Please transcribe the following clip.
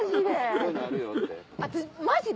マジで。